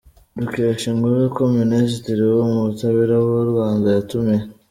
dukesha inkuru, ko Minisitiri w’u Butabera w’u Rwanda yatumiye.